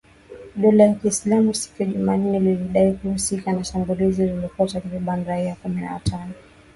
Dola ya Kiislamu siku ya Jumanne lilidai kuhusika na shambulizi lililoua takribani raia kumi na watano.